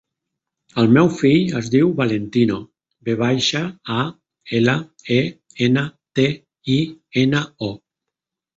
El meu fill es diu Valentino: ve baixa, a, ela, e, ena, te, i, ena, o.